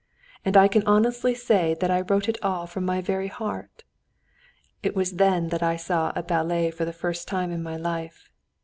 And I can honestly say that I wrote it all from my very heart. It was then that I saw a ballet for the first time in my life.